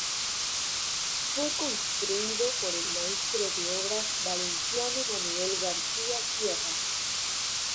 Fue construido por el maestro de obras valenciano Manuel García Sierra.